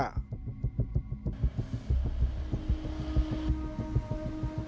sementara polisi mengaku kesulitan melacak tersangka